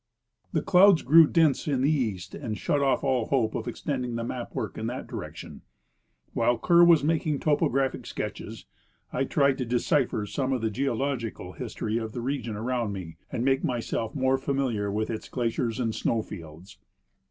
The clouds grew denser in the east, and shut off all hope of extending the map work in that direction. While Kerr was making topographic sketches I tried to decipher some of the geological history of the region around me and make myself more familiar with its glaciers and snow fields.